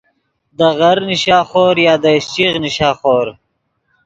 دے غر نیشا خور یا دے اِشچیغ نیشا خور